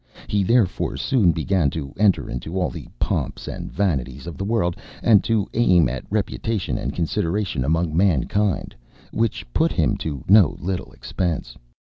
He therefore soon began to enter into all the pomps and vanities of the world, and to aim at reputation and consideration among mankind, which put him to no little expense.